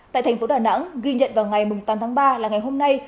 tại tp đà nẵng ghi nhận vào ngày tám tháng ba là ngày hôm nay